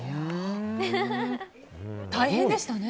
大変でしたね。